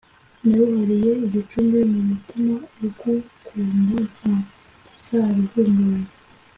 naruhariye igicumbi mu mutima ugukundanta kizaruhungabanya.